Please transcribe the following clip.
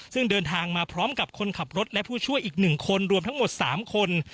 ซึ่งเดินทางมาพร้อมกับคนขับรถและผู้ช่วยอีก๑คนรวมทั้งหมด๓คน